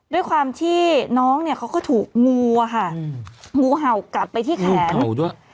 ด้วยความที่น้องเนี่ยเขาก็ถูกงูอะค่ะงูเห่ากัดไปที่แขนงูด้วย